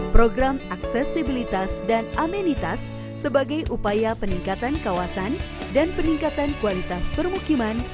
program aksesibilitas dan amenitas sebagai upaya peningkatan kawasan dan peningkatan kualitas permukiman